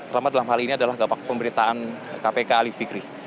terutama dalam hal ini adalah pemerintahan kpk alif fikri